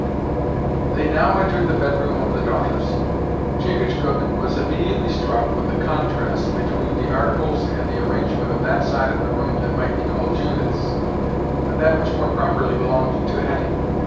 They now entered the bed room of the daughters. Chingachgook was immediately struck with the contrast between the articles and the arrangement of that side of the room that might be called Judith's, and that which more properly belonged to Hetty.